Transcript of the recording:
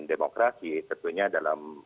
demokrasi tentunya dalam